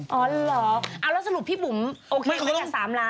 อ๋อเหรอเอาแล้วสรุปพี่บุ๋มโอเคเหมือนกัน๓ล้าน